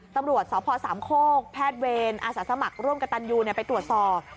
ตำรวจสพสามโคกแพทย์เวรอาสาสมัครร่วมกับตันยูไปตรวจสอบ